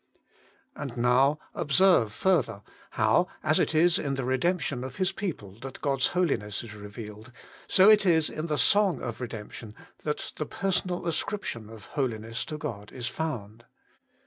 And now, observe further, how, as it is in the 58 HOLY IN CHRIST. redemption of His people that God's Holiness is revealed, so it is in the song of redemption that the personal ascription of Holiness to God is found.